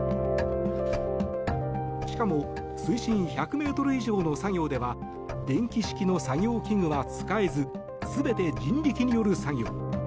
しかも水深１００ｍ以上の作業では電気式の作業器具は使えず全て人力による作業。